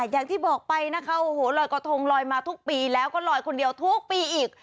อย่างที่บอกไปนะคะโอ้โหลอยกระทงลอยมาทุกปีแล้วก็ลอยคนเดียวทุกปีอีก